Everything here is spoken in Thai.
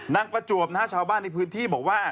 นางประจวบชาวบ้านในพื้นที่บอกว่า